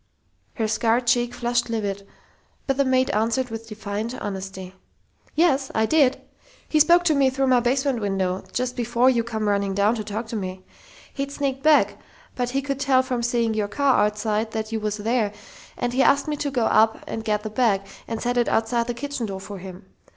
Her scarred cheek flushed livid, but the maid answered with defiant honesty: "Yes, I did! He spoke to me through my basement window just before you come running down to talk to me. He'd sneaked back, but he could tell from seeing your car outside that you was there, and he asked me to go up and get the bag and set it outside the kitchen door for him.